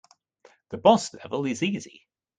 The boss level is easy.